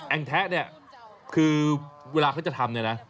งแทะเนี่ยคือเวลาเขาจะทำเนี่ยนะ